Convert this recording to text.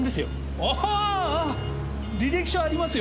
ああ履歴書ありますよ。